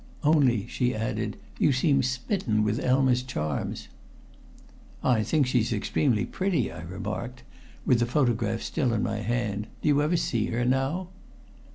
"Only," she added, "you seem smitten with Elma's charms." "I think she's extremely pretty," I remarked, with the photograph still in my hand. "Do you ever see her now?"